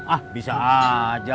ah bisa aja